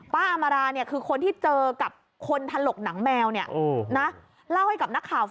ป้าอามาราคือคนที่เจอกับคนทันหลกหนังแมวเล่าให้กับนักข่าวฟังว่า